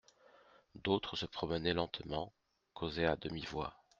D'autres se promenaient lentement, causaient à demi-voix.